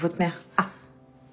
あっ。